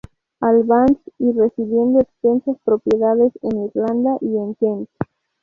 Albans y recibiendo extensas propiedades en Irlanda y en Kent.